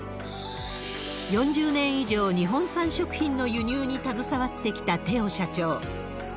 ４０年以上、日本産食品の輸入に携わってきたテオ社長。